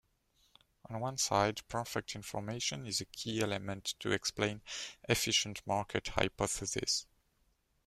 On one side, perfect information is a key element to explain efficient-market hypothesis.